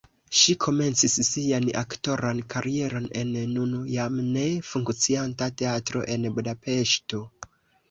Ŝi komencis sian aktoran karieron en nun jam ne funkcianta teatro en Budapeŝto.